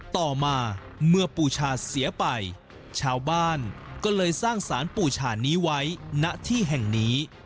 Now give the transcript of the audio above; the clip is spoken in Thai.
ต่อมาเมื่อปูชาเสียไปชาวบ้านก็เลยสร้างสารปูชานี้ไว้ณที่แห่งนี้